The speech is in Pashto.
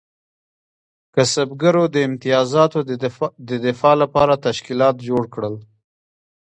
کسبګرو د امتیازاتو د دفاع لپاره تشکیلات جوړ کړل.